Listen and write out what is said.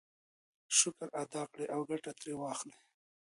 شکر ادا کړئ او ګټه ترې واخلئ.